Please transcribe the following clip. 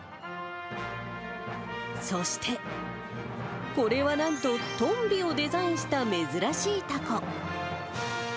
そして、これはなんと、とんびをデザインした珍しいたこ。